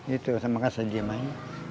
itu makasih aja main